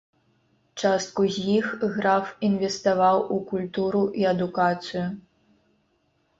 Частку з іх граф інвеставаў у культуру і адукацыю.